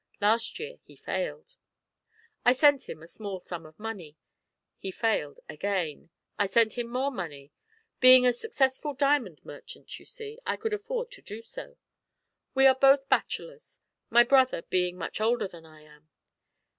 Last year he failed. I sent him a small sum of money. He failed again. I sent him more money. Being a successful diamond merchant, you see, I could afford to do so. We are both bachelors; my brother being much older than I am.